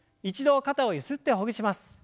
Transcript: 一度肩をゆすってほぐします。